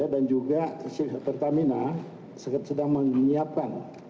dan juga pertamina sedang menyiapkan